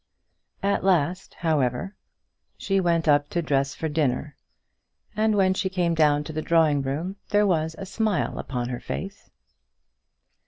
At last, however, she went up to dress for dinner; and when she came down to the drawing room there was a smile upon her face.